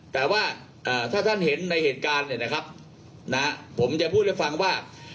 แต่ว่าถ้าท่านเห็นในเหตุการณ์เนี่ยนะครับผมจะพูดให้ฟังว่า